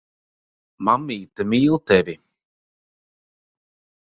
Mammīte mīl tevi.